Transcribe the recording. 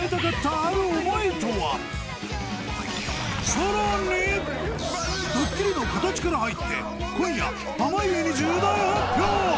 そしてドッキリの形から入って今夜濱家に重大発表！